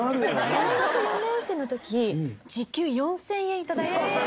大学４年生の時時給４０００円頂いてました。